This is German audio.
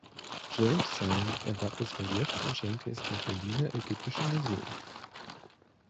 James Simon erwarb das Relief und schenkte es dem Berliner Ägyptischen Museum.